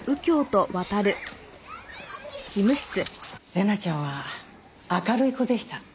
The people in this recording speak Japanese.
玲奈ちゃんは明るい子でした。